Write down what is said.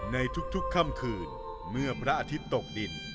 ในทุกค่ำคืนเมื่อพระอาทิตย์ตกดิน